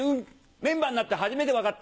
メンバーになって初めて分かった！